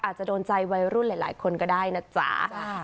อาจจะโดนใจวัยรุ่นหลายคนก็ได้นะจ๊ะ